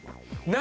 何？